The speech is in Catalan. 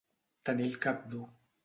Tenir el cap dur.